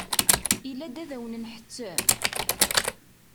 Ilad ad wen-nḥettem?